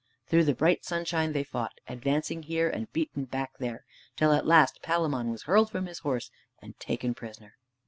Through the bright sunshine they fought, advancing here, and beaten back there, till at last Palamon was hurled from his horse and taken prisoner.